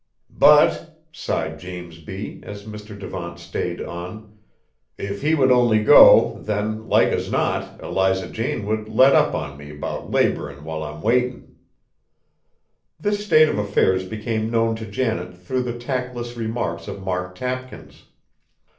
"But," sighed James B. as Mr. Devant stayed on, "if he would only go, then like as not Eliza Jane would let up on me 'bout laborin' while I'm waitin'." This state of affairs became known to Janet through the tactless remarks of Mark Tapkins.